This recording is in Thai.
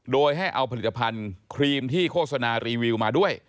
โดยให้เอาผลิตภัณฑ์ครีมที่โฆษณารีวิวมาด้วย